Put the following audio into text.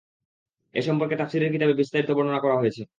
এ সম্পর্কে তাফসীরের কিতাবে বিস্তারিত বর্ণনা করা হয়েছে।